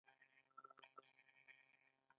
خپل شخصیت مه هیروه!